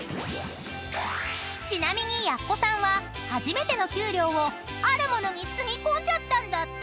［ちなみに奴さんは初めての給料をあるものにつぎ込んじゃったんだって！］